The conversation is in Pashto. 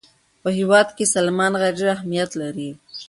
په هېواد کې سلیمان غر ډېر اهمیت لري.